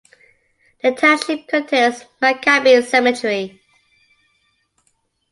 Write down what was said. The township contains MacCabee Cemetery.